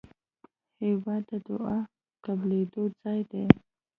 هېواد د دعا قبلېدو ځای دی.